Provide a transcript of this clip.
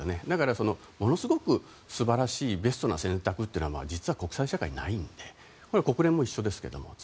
だから、ものすごく素晴らしいベストな選択というのは実は国際社会、ないので国連も一緒ですけども。